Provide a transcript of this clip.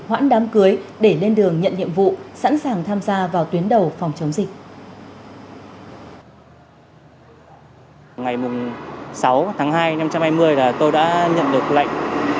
hoãn đám cưới để lên đường nhận nhiệm vụ sẵn sàng tham gia vào tuyến đầu phòng chống dịch